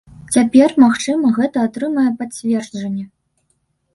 Цяпер, магчыма, гэта атрымае пацверджанне.